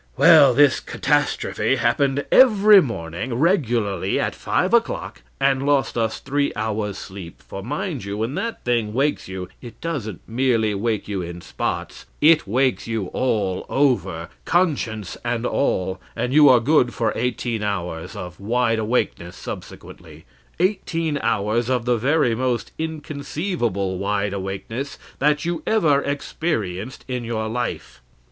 Well, this catastrophe happened every morning regularly at five o'clock, and lost us three hours sleep; for, mind you, when that thing wakes you, it doesn't merely wake you in spots; it wakes you all over, conscience and all, and you are good for eighteen hours of wide awakeness subsequently eighteen hours of the very most inconceivable wide awakeness that you ever experienced in your life.